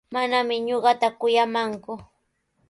Manami ñuqata kuyamanku.